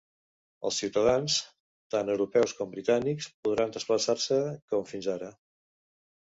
Els ciutadans, tant europeus com britànics, podran desplaçar-se com fins ara.